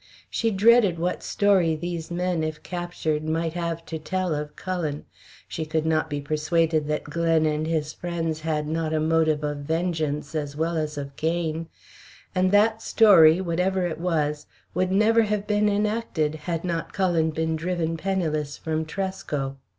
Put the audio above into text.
She dreaded what story these men, if captured, might have to tell of Cullen she could not be persuaded that Glen and his friends had not a motive of vengeance as well as of gain, and that story, whatever it was, would never have been enacted, had not Cullen been driven penniless from Tresco.